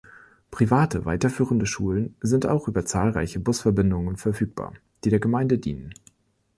Private weiterführende Schulen sind auch über zahlreiche Busverbindungen verfügbar, die der Gemeinde dienen.